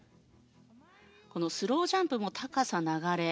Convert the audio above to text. スロウジャンプも高さ、流れ